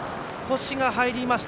腰が入りました。